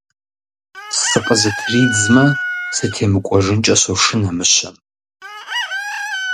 Сыкъызытридзмэ, сытемыкӀуэжынкӀэ сошынэ мыщэм.